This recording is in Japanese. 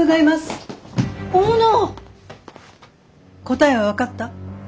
答えは分かった？